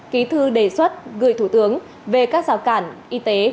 ký thư đề xuất gửi thủ tướng về các rào cản y tế